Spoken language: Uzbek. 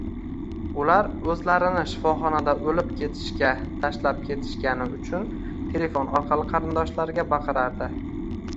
Ular o`zlarini shifoxonada o`lib ketishga tashlab ketishgani uchun telefon orqali qarindoshlariga baqirardi